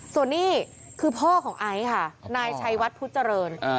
ส่วนนี้คือพ่อของไอซ์ค่ะนายชัยวัดพุทธเจริญ